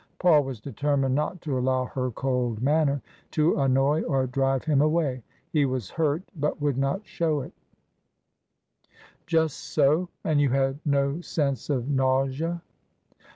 Paul was determined not to allow her cold manner to annoy or drive him away. He was hurt, but would not show it Just so. And you had no sense of nausea